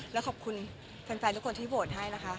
แล้วขอบคุณแฟนทุกคนที่โหวตให้นะคะ